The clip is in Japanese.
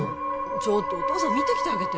ちょっとお父さん見てきてあげて・